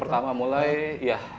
pertama mulai ya